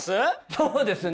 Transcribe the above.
そうですね！